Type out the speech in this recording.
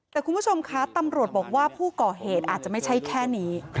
แต่คุณผู้ชมคะตำรวจบอกว่าผู้ก่อเหตุอาจจะไม่ใช่แค่นี้